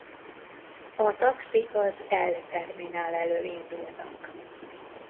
A taxik az L terminál elől indulnak.